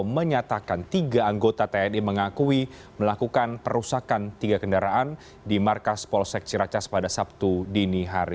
menyatakan tiga anggota tni mengakui melakukan perusakan tiga kendaraan di markas polsek ciracas pada sabtu dini hari